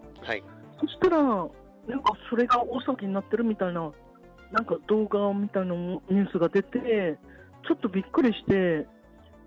そしたら、なんかそれが大騒ぎになってるみたいな、なんか動画みたいなニュースが出て、ちょっとびっくりして。